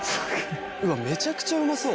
めちゃくちゃうまそう。